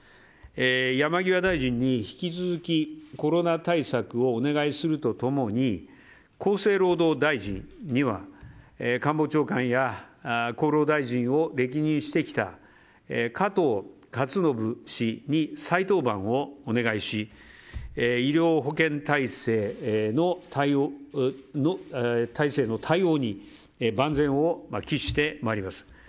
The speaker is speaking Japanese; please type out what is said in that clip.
山際大臣に引き続きコロナ対策をお願いするとともに厚生労働大臣には官房長官や厚労大臣を歴任してきた加藤勝信氏に再登板をお願いし医療保険体制の対応に万全を喫してまいります。